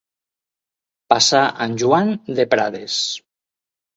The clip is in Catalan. Passar en Joan de Prades.